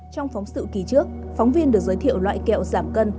trong phóng sự kỳ trước phóng viên được giới thiệu loại kẹo giảm cân